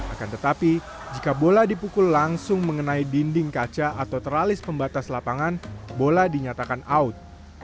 akan tetapi jika bola dipukul langsung mengenai dinding kaca atau teralis pembatas lapangan bola dinyatakan out